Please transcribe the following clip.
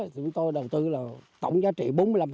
chúng tôi đầu tư tổng giá trị bốn mươi